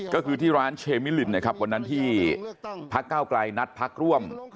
ก็คือที่ร้านเชมิลินนะครับวันนั้นที่พักเก้าไกลนัดพักร่วม